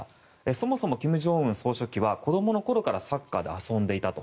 そもそも金正恩総書記は子どもの頃からサッカーで遊んでいたと。